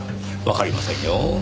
わかりませんよ。